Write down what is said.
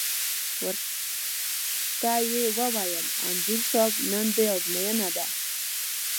ور ته یې وویل: انځور صاحب نن دې ازموینه ده.